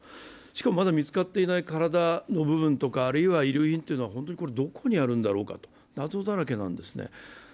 しかも、まだ見つかっていない体の部分とかあるいは遺留品は本当にどこにあるんだろうか、謎だらけなんですね。